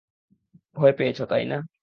ভয় পেয়েছ, তাই না?